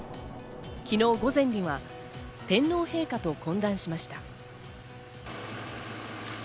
昨日午前には天皇陛下と懇談しました。